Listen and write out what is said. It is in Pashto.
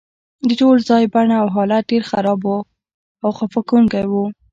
د ټول ځای بڼه او حالت ډیر خراب او خفه کونکی و